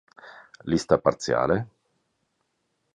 Lista parziale